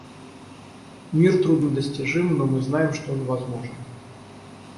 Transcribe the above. Мир труднодостижим, но мы знаем, что он возможен.